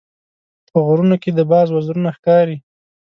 په غرونو کې د باز وزرونه ښکاري.